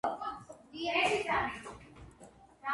საქართველოს რესპუბლიკური პარტიის წევრი.